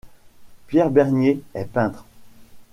Pierre Bernier est peintre.